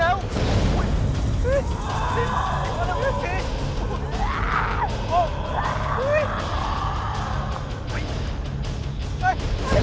เฮ้ย